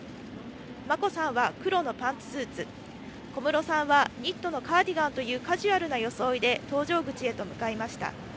眞子さんは黒のパンツスーツ、小室さんはニットのカーディガンというカジュアルな装いで登場口へと向かいました。